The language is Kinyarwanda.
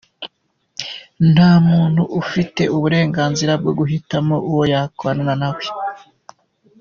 Nta muntu ufite uburenganzira bwo guhitamo uwo yakorana na we.